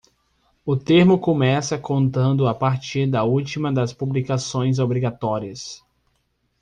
O termo começa contando a partir da última das publicações obrigatórias.